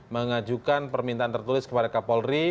mengajukan permintaan tertulis kepada kapolri